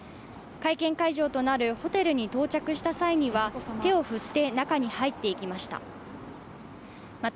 会見会場となるホテルに到着した際には手を振って中に入っていきました。